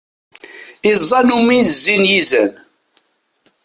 Iẓẓan umi i zzin yizan.